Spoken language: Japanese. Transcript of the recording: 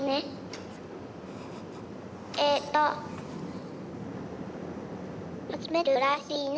えと集めるらしいね。